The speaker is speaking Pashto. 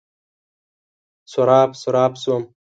سراب، سراب شوم